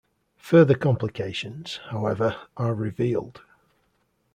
Further complications, however, are revealed.